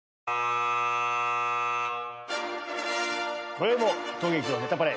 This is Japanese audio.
こよいも当劇場『ネタパレ』